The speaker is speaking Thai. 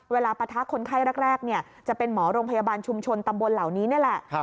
ปะทะคนไข้แรกจะเป็นหมอโรงพยาบาลชุมชนตำบลเหล่านี้นี่แหละ